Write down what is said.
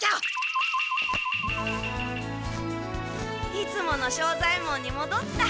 いつもの庄左ヱ門にもどった。